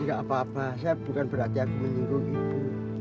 enggak apa apa saya bukan berarti aku menunggu gitu